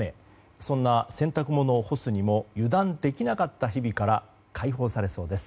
そんな洗濯物を干すにも油断できなかった日々から解放されそうです。